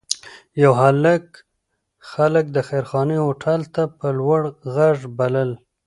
یو هلک خلک د خیرخانې هوټل ته په لوړ غږ بلل.